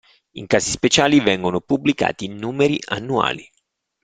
In casi speciali vengono pubblicati numeri annuali.